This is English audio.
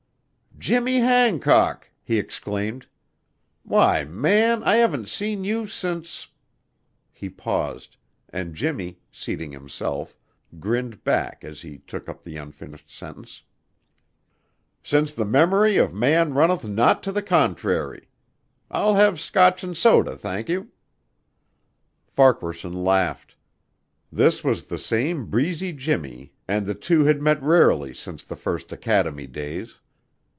"Jimmy Hancock!" he exclaimed. "Why, man, I haven't seen you since " He paused, and Jimmy, seating himself, grinned back as he took up the unfinished sentence: "'Since the memory of man runneth not to the contrary ' I'll have Scotch and soda, thank you." Farquaharson laughed. This was the same breezy Jimmy and the two had met rarely since the first academy days.